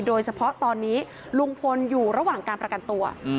โดยเฉพาะตอนนี้ลุงพลอยู่ระหว่างการประกันตัว